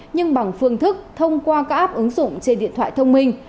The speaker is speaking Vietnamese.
nhưng bằng phương thức thông qua các app ứng dụng trên điện thoại thông minh